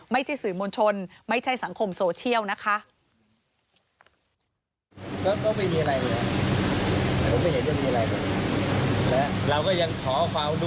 ไม่ใช่สื่อมวลชนไม่ใช่สังคมโซเชียลนะคะ